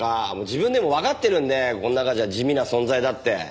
自分でもわかってるんでこの中じゃ地味な存在だって。